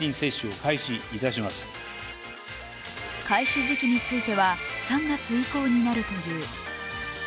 開始時期については３月以降になるという。